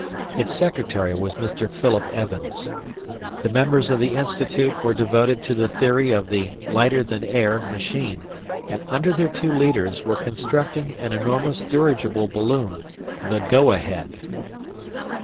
Its secretary was Mr. Phillip Evans. The members of the Institute were devoted to the theory of the "lighter than air" machine; and under their two leaders were constructing an enormous dirigible balloon, the "Go Ahead."